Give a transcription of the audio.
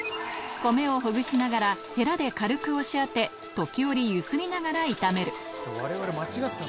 米をほぐしながらヘラで軽く押し当て時折ゆすりながら炒めるわれわれ間違ってた。